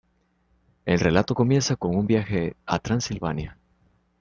El relato comienza con un viaje a Transilvania.